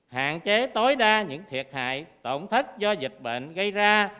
hạn chế tối đa những thiệt hại tổn thất do dịch bệnh gây ra